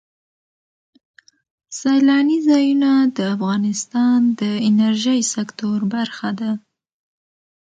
سیلاني ځایونه د افغانستان د انرژۍ سکتور برخه ده.